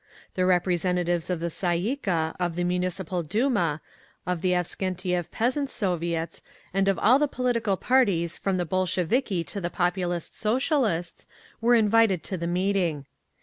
The representatives of the Tsay ee kah, of the Municipal Duma, of the Avksentiev Peasants' Soviets, and of all the political parties from the Bolsheviki to the Populist Socialists, were invited to the meeting.